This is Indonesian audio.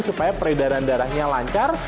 supaya peredaran darahnya lancar